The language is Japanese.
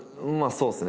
そうっすね